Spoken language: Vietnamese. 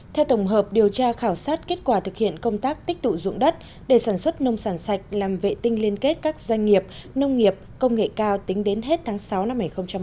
theo tổng hợp điều tra khảo sát kết quả thực hiện công tác tích tụ dụng đất để sản xuất nông sản sạch làm vệ tinh liên kết các doanh nghiệp nông nghiệp công nghệ cao tính đến hết tháng sáu năm hai nghìn hai mươi